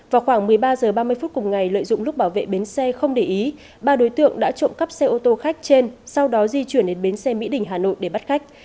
vào khoảng một mươi ba h ba mươi phút cùng ngày lợi dụng lúc bảo vệ bến xe không để ý ba đối tượng đã trộm cắp xe ô tô khách trên sau đó di chuyển đến bến xe mỹ đình hà nội để bắt khách